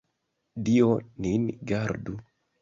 Dio nin gardu!